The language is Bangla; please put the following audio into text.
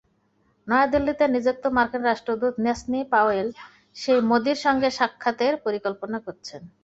নয়াদিল্লিতে নিযুক্ত মার্কিন রাষ্ট্রদূত ন্যান্সি পাওয়েল সেই মোদির সঙ্গে সাক্ষাতের পরিকল্পনা করছেন।